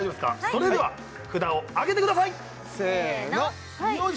それでは札を上げてくださいせーのほい！